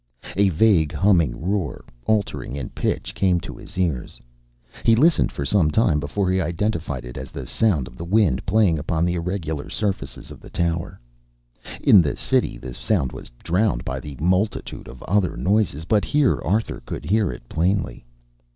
A vague, humming roar, altering in pitch, came to his ears. He listened for some time before he identified it as the sound of the wind playing upon the irregular surfaces of the tower. In the city the sound was drowned by the multitude of other noises, but here Arthur could hear it plainly.